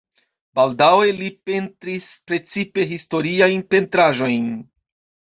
Baldaŭe li pentris precipe historiajn pentraĵojn.